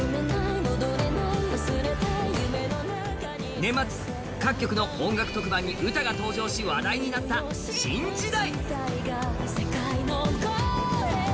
年末各局の音楽特番にウタが登場し、話題になった「新時代」。